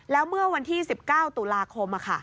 แล้วเมื่อวันที่๑๙ตุลาคม